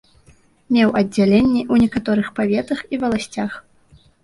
Меў аддзяленні ў некаторых паветах і валасцях.